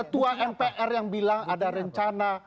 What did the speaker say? ketua mpr yang bilang ada rencana